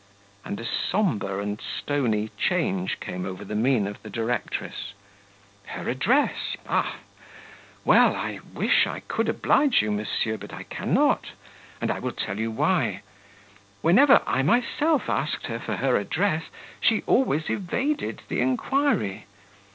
and a sombre and stony change came over the mien of the directress. "Her address? Ah? well I wish I could oblige you, monsieur, but I cannot, and I will tell you why; whenever I myself asked her for her address, she always evaded the inquiry.